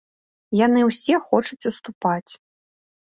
Яны ўсе хочуць уступаць.